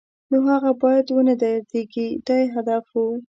نو هغه باید و نه دردېږي دا یې هدف و.